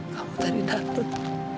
kamu tadi dateng